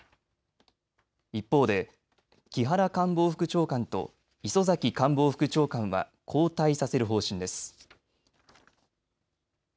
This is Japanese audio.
一方で木原官房副長官と磯崎官房副長官は交代させる方針です。